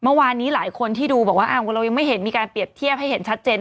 เมื่อวานนี้หลายคนที่ดูบอกว่าเรายังไม่เห็นมีการเปรียบเทียบให้เห็นชัดเจน